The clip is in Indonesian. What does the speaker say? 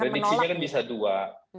prediksinya kan bisa dua